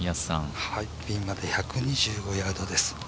ピンまで１２５ヤードです。